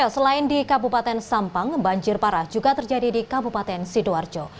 selain di kabupaten sampang banjir parah juga terjadi di kabupaten sidoarjo